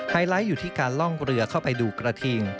ไลท์อยู่ที่การล่องเรือเข้าไปดูกระทิง